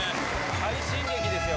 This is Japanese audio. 快進撃ですよ